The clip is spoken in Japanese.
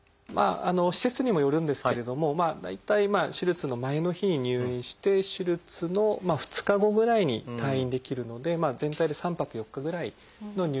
施設にもよるんですけれども大体手術の前の日に入院して手術の２日後ぐらいに退院できるので全体で３泊４日ぐらいの入院で済みますね。